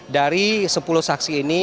dari sepuluh saksi ini